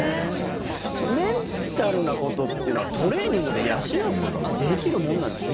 メンタルなことというのはトレーニングで養うことはできるものなんですか？